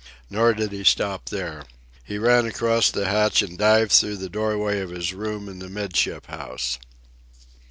Nor did he stop there. He ran across the hatch and dived through the doorway of his room in the 'midship house.